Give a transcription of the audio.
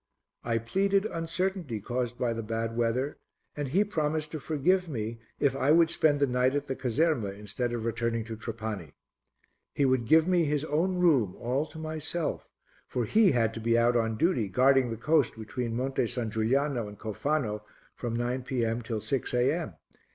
I pleaded uncertainty caused by the bad weather, and he promised to forgive me if I would spend the night at the caserma instead of returning to Trapani. He would give me his own room all to myself, for he had to be out on duty guarding the coast between Monte San Giuliano and Cofano from 9 p.m. till 6 a.m.